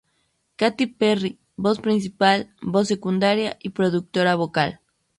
Katy Perry: Voz principal, voz secundaria y productora vocal.